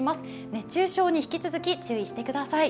熱中症に引き続き注意してください。